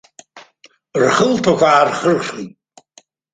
Рхылԥақәа аархырхит.